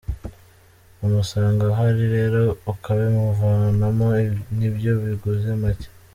Kumusanga aho ari rero ukabimuvanamo nibyo biguze make.